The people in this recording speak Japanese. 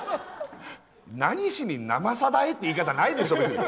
何しに「生さだ」へ？って言い方ないでしょ。